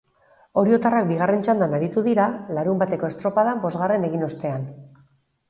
Oriotarrak bigarren txandan aritu dira, larunbateko estropadan bosgarren egin ostean.